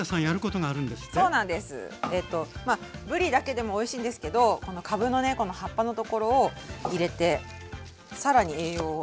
えとまあぶりだけでもおいしいんですけどこのかぶのねこの葉っぱのところを入れて更に栄養を。